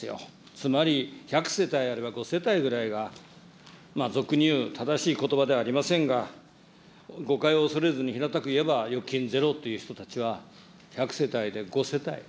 つまり、１００世帯あれば５世帯ぐらいは、俗にいう、正しいことばではありませんが、誤解を恐れずに平たく言えば、預金ゼロという人たちは１００世帯で５世帯。